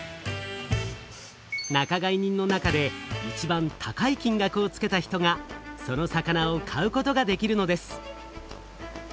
仲買人の中でいちばん高い金額をつけた人がその魚を買うことができるのです。